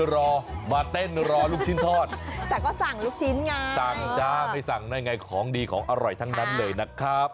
รางลูกชิ้นก็จ้าไม่สั่งนั่งไรของดีของอร่อยทั้งนั้นเลยนะครับ